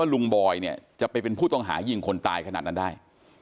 ว่าลุงบ่อยจะเป็นผู้ต้องหายิงคนตายขนาดนั้นได้